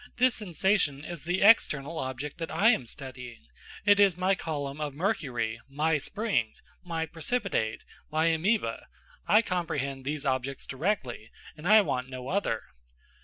this sensation is the external object that I am studying; it is my column of mercury, my spring, my precipitate, my amoeba; I comprehend these objects directly, and I want no other."